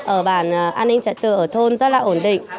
ở bản an ninh trật tự ở thôn rất là ổn định